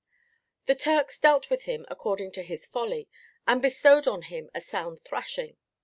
The Turks dealt with him according to his folly, and bestowed on him a sound thrashing.